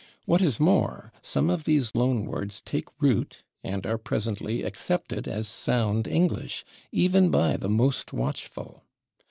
What is more, some of these loan words take root, and are presently accepted as sound English, even by the most watchful.